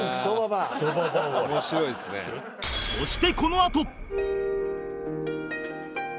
そしてこのあと！